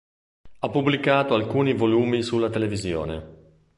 Ha pubblicato alcuni volumi sulla televisione.